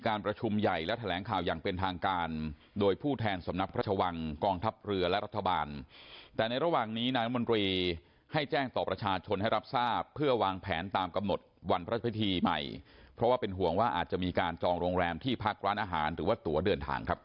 ควรจะให้ผ่านผมในช่วงเวลานี้ไป